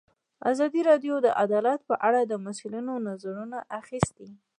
ازادي راډیو د عدالت په اړه د مسؤلینو نظرونه اخیستي.